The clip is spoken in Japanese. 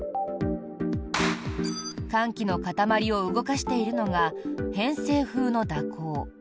寒気の塊を動かしているのが偏西風の蛇行。